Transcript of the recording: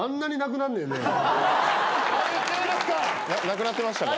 なくなってましたか？